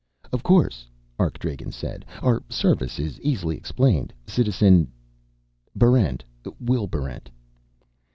"Of course," Arkdragen said. "Our service is easily explained, Citizen " "Barrent. Will Barrent."